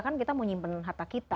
kan kita mau nyimpen harta kita